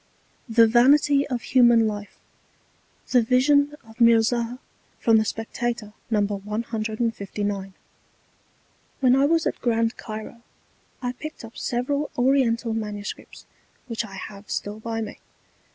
THE VANITY OF HUMAN LIFE 'The Vision of Mirzah,' from the Spectator, No. 159 When I was at Grand Cairo, I picked up several Oriental Manuscripts, which I have still by me.